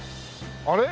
あれ？